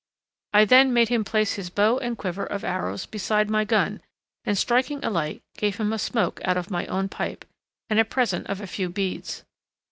I then made him place his bow and quiver of arrows beside my gun, and striking a light gave him a smoke out of my own pipe and a present of a few beads.